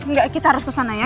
enggak kita harus kesana ya